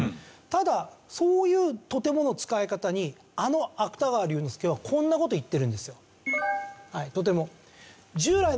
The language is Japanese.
ただそういう「とても」の使い方にあの芥川龍之介はこんな事を言ってるんですよ。